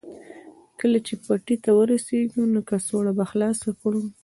کله چې پټي ته ورسېږو نو کڅوړه به خلاصه کړو